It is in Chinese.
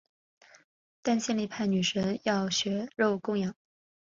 但性力派女神要血肉供养。